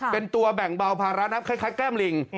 เป็นตัวแบ่งเบาภาระนับคล้ายแก้มลิง